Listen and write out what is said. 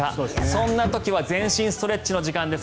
そんな時は全身ストレッチの時間です。